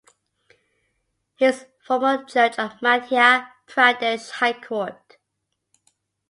He is former Judge of Madhya Pradesh High Court.